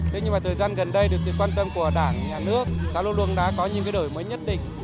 thế nhưng mà thời gian gần đây được sự quan tâm của đảng nhà nước xã lông đã có những cái đổi mới nhất định